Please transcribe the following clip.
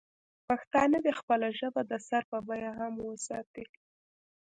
پښتانه دې خپله ژبه د سر په بیه هم وساتي.